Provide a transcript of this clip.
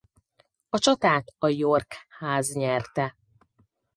A csatát a York-ház nyerte.